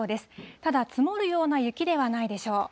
ただ、積もるような雪ではないでしょう。